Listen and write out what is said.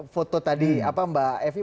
foto tadi mbak evi